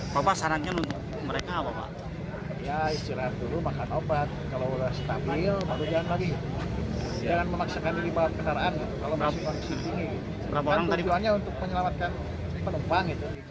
kan tujuannya untuk menyelamatkan penumpang itu